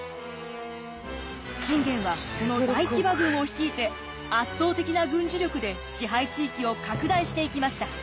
信玄はこの大騎馬軍を率いて圧倒的な軍事力で支配地域を拡大していきました。